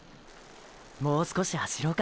もう少し走ろうか。